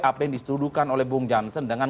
apa yang disetujukan oleh bung jansen dengan